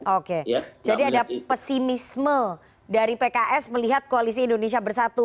oke jadi ada pesimisme dari pks melihat koalisi indonesia bersatu